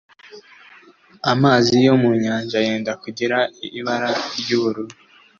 amazi yo munyanja yenda kugira ibara ry’ubururu.